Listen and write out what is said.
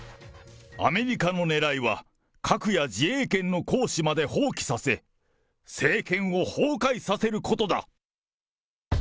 アメリカのねらいは、核や自衛権の行使まで放棄させ、政権を崩壊させることだ。